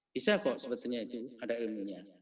bisa kok sebetulnya itu ada ilmunya